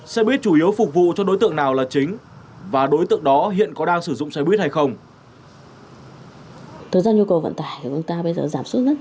xe buýt chủ yếu phục vụ cho đối tượng